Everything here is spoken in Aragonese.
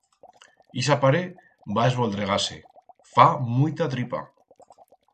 Ixa paret va a esvoldregar-se, fa muita tripa.